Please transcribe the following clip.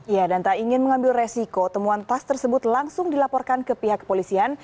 ya dan tak ingin mengambil resiko temuan tas tersebut langsung dilaporkan ke pihak kepolisian